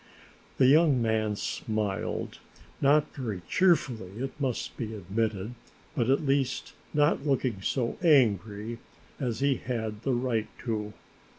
The young man smiled, not very cheerfully it must be admitted, but at least not looking so angry as he had the right to.